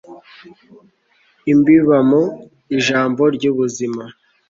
umbibamo ijambo ry'ubuzima